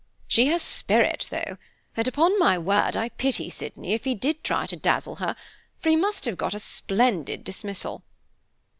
"She has spirit, though, and upon my word I pity Sydney, if he did try to dazzle her, for he must have got a splendid dismissal."